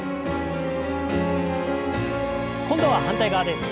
今度は反対側です。